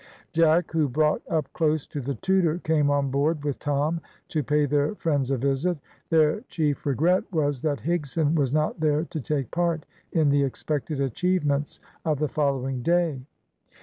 Jack, who brought up close to the Tudor, came on board with Tom to pay their friends a visit. Their chief regret was that Higson was not there to take part in the expected achievements of the following day.